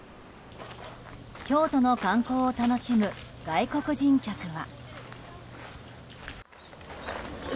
京都の観光を楽しむ外国人客は。